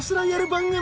番組！